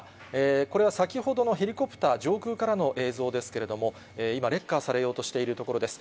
これは先ほどのヘリコプター上空からの映像ですけれども、今、レッカーされようとしているところです。